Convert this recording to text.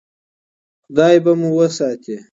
خدای به مو وساتي.